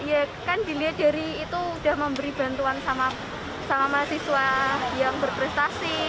ya kan dilihat dari itu sudah memberi bantuan sama mahasiswa yang berprestasi